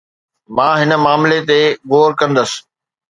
مان هن معاملي تي غور ڪندس